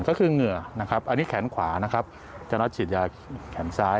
ก็คือเหงื่อนะครับอันนี้แขนขวานะครับจะนัดฉีดยาแขนซ้าย